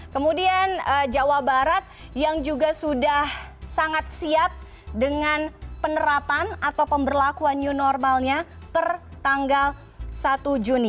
kemudian jawa barat yang juga sudah sangat siap dengan penerapan atau pemberlakuan new normalnya per tanggal satu juni